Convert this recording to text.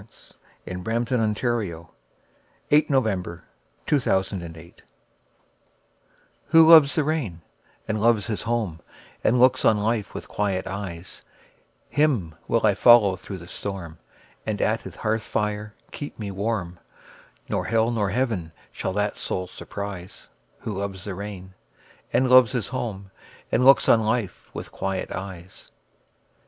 The New Poetry: An Anthology. 1917. Who Loves the Rain By Frances Shaw WHO loves the rainAnd loves his home, And looks on life with quiet eyes, Him will I follow through the storm; And at his hearth fire keep me warm; Nor hell nor heaven shall that soul surprise, Who loves the rain, And loves his home, And looks on life with quiet eyes.